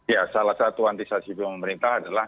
ya salah satu antisipasi pemerintah adalah